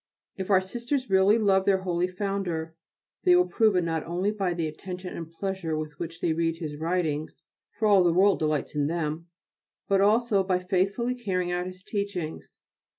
If our Sisters really love their holy Founder they will prove it not only by the attention and pleasure with which they read his writings, for all the world delights in them, but also by faithfully carrying out his teachings.